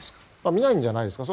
見ないんじゃないですか。